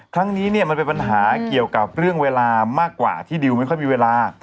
ครั้งนี้เนี่ยมันเป็นปัญหาเกี่ยวกับเรื่องเวลามากกว่าที่ดิวไม่ค่อยมีเวลา